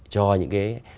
cho những cái